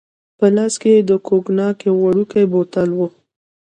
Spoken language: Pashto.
په لاس کې يې د کوګناک یو وړوکی بوتل وو.